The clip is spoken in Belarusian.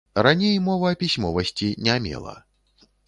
Раней мова пісьмовасці не мела.